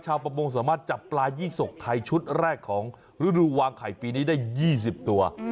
ประมงสามารถจับปลายี่สกไทยชุดแรกของฤดูวางไข่ปีนี้ได้๒๐ตัว